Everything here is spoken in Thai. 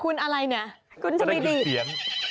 กินเมีย